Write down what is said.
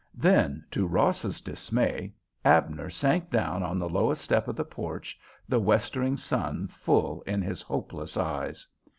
Then, to Ross's dismay, Abner sank down on the lowest step of the porch, the westering sun full in his hopeless eyes.